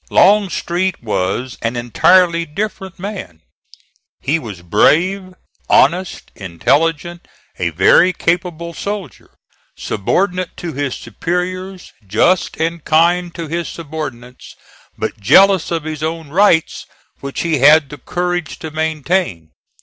Longstreet was an entirely different man. He was brave, honest, intelligent, a very capable soldier, subordinate to his superiors, just and kind to his subordinates, but jealous of his own rights, which he had the courage to maintain.